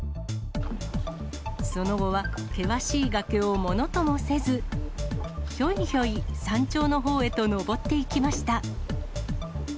その後は険しい崖をものともせず、ひょいひょい山頂のほうへと登っていきました。